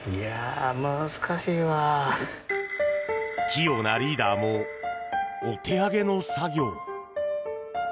器用なリーダーもお手上げの作業。